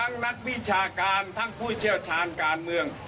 นักวิชาการทั้งผู้เชี่ยวชาญการเมือง